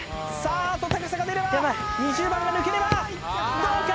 あと高さが出れば２０番が抜ければどうか？